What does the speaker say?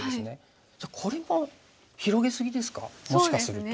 じゃあこれも広げ過ぎですかもしかすると。